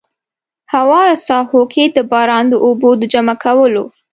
هموارو ساحو کې د باران د اوبو د جمع کولو.